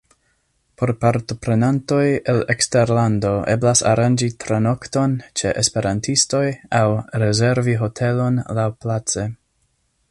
Por partoprenantoj el eksterlando eblas aranĝi tranokton ĉe esperantistoj aŭ rezervi hotelon laŭplace.